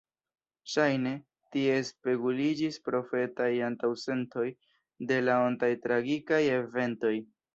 Ŝajne, tie speguliĝis profetaj antaŭsentoj de la ontaj tragikaj eventoj.